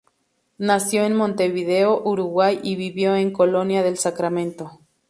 Nació en Montevideo, Uruguay, y vivió en Colonia del Sacramento.